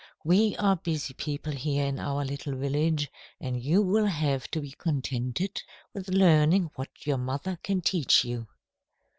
We are busy people here in our little village, and you will have to be contented with learning what your mother can teach you.